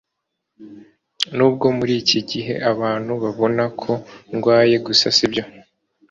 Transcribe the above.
Nubwo muri iki gihe abantu babona ko ndwaye gusa sibyo